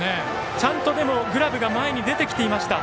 ちゃんとグラブが前に出ていました。